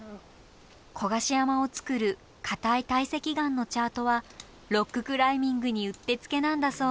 古賀志山をつくる硬い堆積岩のチャートはロッククライミングにうってつけなんだそう。